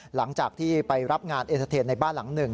หลังจากที่ไปรับงานเอเตอร์เทนในบ้านหลังหนึ่ง